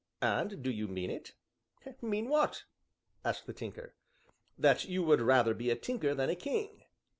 "And do you mean it?" "Mean what?" asked the Tinker. "That you would rather be a tinker than a king?"